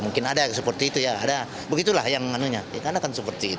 mungkin ada yang seperti itu ya ada begitulah yang menunjukkan